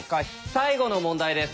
最後の問題です。